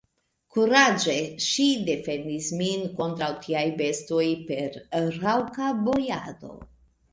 Kuraĝe ŝi defendis min kontraŭ tiaj bestoj per raŭka bojado.